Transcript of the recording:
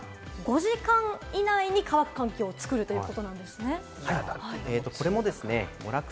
さらに洗濯は５時間以内に乾く環境を作るということですね。